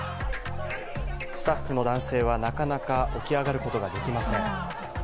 スタッフの男性はなかなか起き上がることができません。